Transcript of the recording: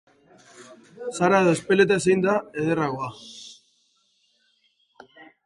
Sara edo Ezpeleta, zein da ederragoa?